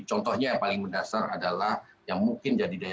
contohnya yang paling mendasar adalah yang mungkin jadi daya